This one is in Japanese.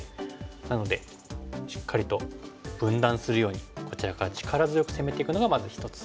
なのでしっかりと分断するようにこちらから力強く攻めていくのがまず一つ。